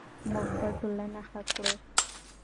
موږ به ټولنه ښه کړو.